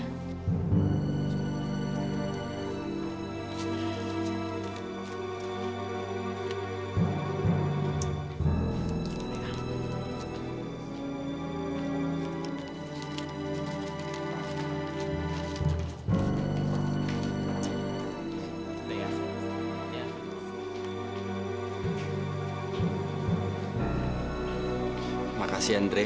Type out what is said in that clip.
cobain zieman strawberry bareng kaney